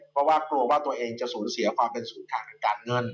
เพราะว่ากลัวว่าตัวเองจะสูญเสียความเป็นศูนย์ทางทางการเงิน